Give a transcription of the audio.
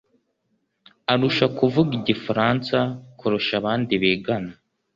arusha kuvuga igifaransa kurusha abandi bigana.